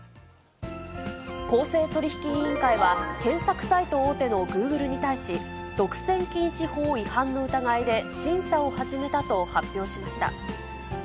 公正取引委員会は、検索サイト大手のグーグルに対し、独占禁止法違反の疑いで審査を始めたと発表しました。